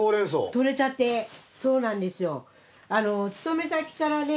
採れたてそうなんですよ。